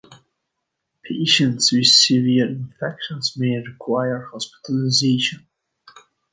Patients with severe infections may require hospitalization.